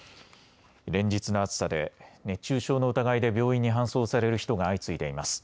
連日の暑さで熱中症の疑いで病院に搬送される人が相次いでいます。